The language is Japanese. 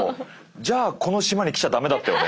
じゃあこの島に来ちゃ駄目だったよね。